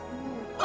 あ！